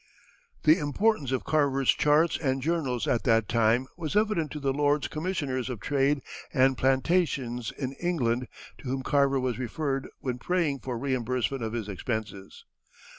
] The importance of Carver's charts and journals at that time was evident to the Lords Commissioners of Trade and Plantations in England to whom Carver was referred when praying for reimbursement of his expenses.